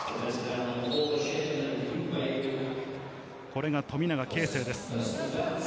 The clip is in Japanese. これが富永啓生です。